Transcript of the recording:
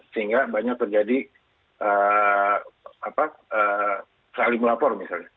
sehingga banyak terjadi saling melapor misalnya